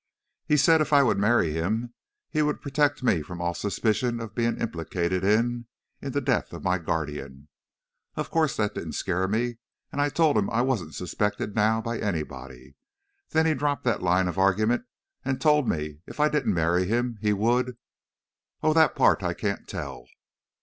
He said if I would marry him he would protect me from all suspicion of being implicated in in the death of my guardian! Of course, that didn't scare me, and I told him I wasn't suspected now, by anybody. Then he dropped that line of argument and told me if I didn't marry him, he would oh, that part I can't tell!"